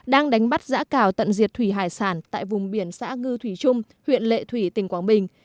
đang đánh bắt giã cào tận diệt thủy hải sản tại vùng biển xã ngư thủy trung huyện lệ thủy tỉnh quảng bình